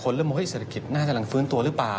คนเริ่มบอกฮ่ยเศรษฐกิจ่น่าจะลำบันฟื้นตัวหรือเปล่า